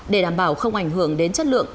để đảm bảo không ảnh hưởng đến chất lượng